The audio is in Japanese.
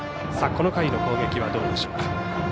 この回の攻撃はどうでしょうか。